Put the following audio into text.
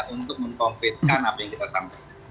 untuk mengkonkretkan apa yang kita sampaikan